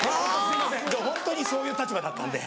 ・ホントにそういう立場だったんで。